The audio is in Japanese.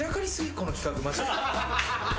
この企画マジで。